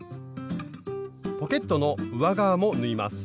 ポケットの上側も縫います。